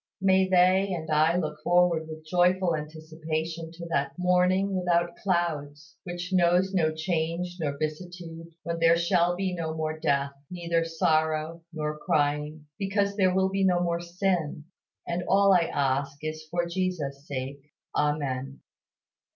May they and I look forward with joyful anticipation to that "morning without clouds," which knows no change nor vicissitude, when there shall be no more death, neither sorrow, nor crying, because there will be no more sin; and all I ask is for Jesus' sake. Amen.